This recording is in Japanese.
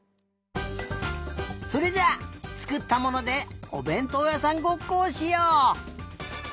それじゃあつくったものでおべんとうやさんごっこをしよう！